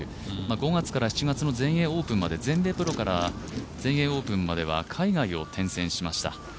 ５月から７月の全英プロから全英オープンまでは海外を転戦しました。